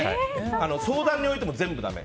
相談においても全部だめ。